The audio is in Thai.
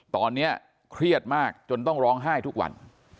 ตอนนี้เครียดมากจนต้องร้องไห้ทุกวัน